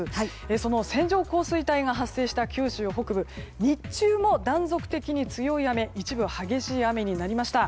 その線状降水帯が発生した九州北部日中も断続的に強い雨一部激しい雨になりました。